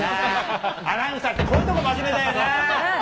アナウンサーって、こういうとこ真面目だよな。